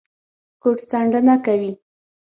ګوتڅنډنه کوي